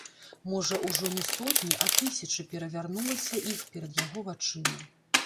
Можа ўжо не сотні, а тысячы перавярнулася іх перад яго вачыма.